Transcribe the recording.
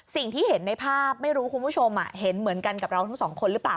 สิ่งที่เห็นในภาพไม่รู้คุณผู้ชมเห็นเหมือนกันกับเราทั้งสองคนหรือเปล่า